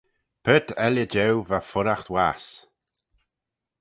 Part elley jeu va furraght wass.